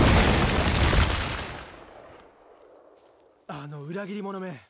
あああの裏切り者め